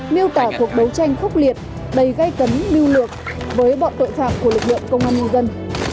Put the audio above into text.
miêu tả cuộc đấu tranh khốc liệt đầy gây cấn lưu lượng với bọn tội phạm của lực lượng công an nhân dân